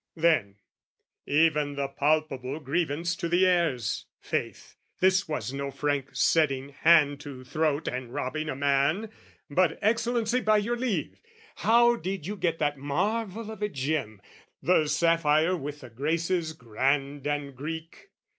Then, even the palpable grievance to the heirs 'Faith, this was no frank setting hand to throat And robbing a man, but...Excellency, by your leave, How did you get that marvel of a gem, The sapphire with the Graces grand and Greek?